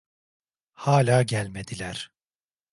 Hâlâ gelmediler.